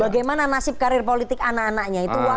bagaimana nasib karir politik anak anaknya itu waktu yang menjauh